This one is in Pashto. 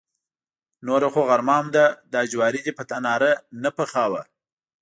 نوره خو غرمه هم ده، دا جواری دې په تناره نه پخاوه.